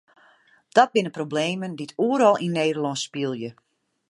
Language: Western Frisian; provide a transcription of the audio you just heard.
Dat binne problemen dy't oeral yn Nederlân spylje.